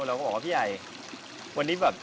เราก็บอกว่าพี่ใหญ่วันนี้แบบ